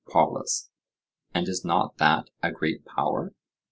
POLUS: And is not that a great power?